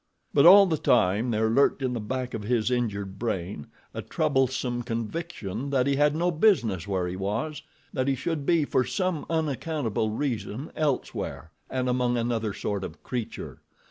But all the time there lurked in the back of his injured brain a troublesome conviction that he had no business where he was—that he should be, for some unaccountable reason, elsewhere and among another sort of creature.